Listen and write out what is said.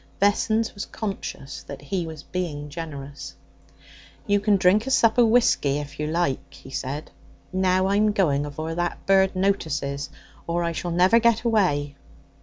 Vessons was conscious that he was being generous. 'You can drink a sup of whisky if you like,' he said. 'Now I'm going, afore that bird notices, or I shall never get away.'